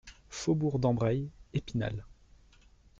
Faubourg d'Ambrail, Épinal